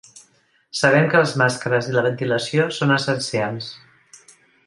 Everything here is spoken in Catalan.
Sabem que les màscares i la ventilació són essencials.